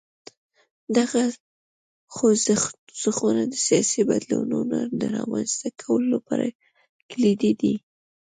دغه خوځښتونه د سیاسي بدلونونو د رامنځته کولو لپاره کلیدي دي.